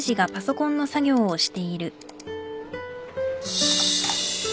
よし。